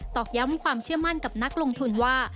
อกย้ำความเชื่อมั่นกับนักลงทุนว่า